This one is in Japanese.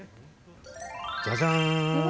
じゃじゃーん。